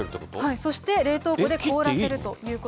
そして冷凍庫で凍らせるということ。